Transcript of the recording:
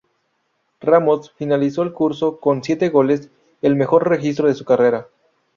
Ramos finalizó el curso con siete goles, el mejor registro de su carrera.